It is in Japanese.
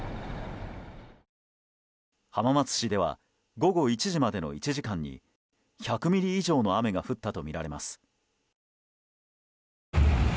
浜松市では午後１時までの１時間に１００ミリ以上の雨が降ったとみられます。